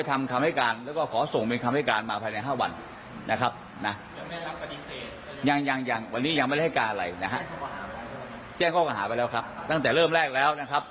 แจ้งข้อหาไปแล้วครับตั้งแต่เริ่มแรกแล้วนะครับ